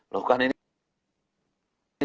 loh kan ini